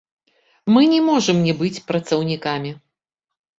Мы не можам не быць працаўнікамі.